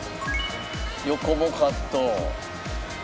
横もカット。